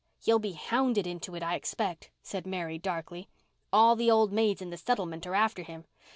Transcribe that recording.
"He'll be hounded into it, I expect," said Mary darkly. "All the old maids in the settlement are after him.